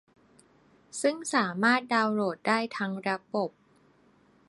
ซึ่งสามารถดาวน์โหลดได้ทั้งระบบ